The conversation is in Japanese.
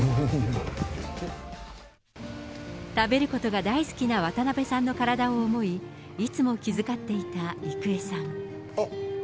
食べることが大好きな渡辺さんの体を思い、いつも気遣っていた郁恵さん。